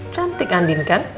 cantik andin kan